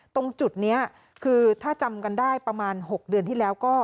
ตรงจุดนี้คือถ้าจำกันได้ประมาณ๖เดือนที่แล้วก็